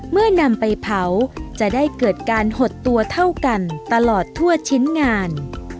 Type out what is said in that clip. เมื่อนำไปเผาจะได้เกิดการหดตัวเท่ากันตลอดทั่วชิ้นงาน